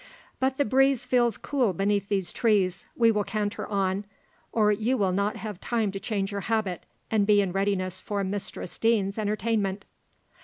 But the breeze feels cool beneath these trees; we will canter on, or you will not have time to change your habit, and be in readiness for Mistress Deane's entertainment."